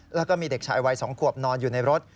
แล้วก็มีเด็กชายวัย๒ขวบนอนอยู่ในรถ